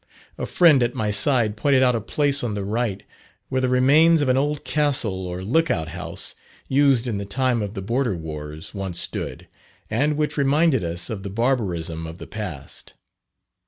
A friend at my side pointed out a place on the right, where the remains of an old castle or look out house, used in the time of the border wars, once stood, and which reminded us of the barbarism of the past.